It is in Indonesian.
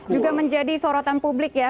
juga menjadi sorotan publik ya